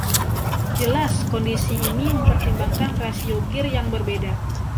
Jelas, kondisi ini mempertimbangkan rasio gir yang berbeda.